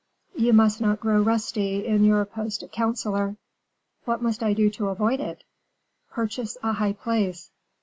"You must not grow rusty in your post of counselor." "What must I do to avoid it?" "Purchase a high place.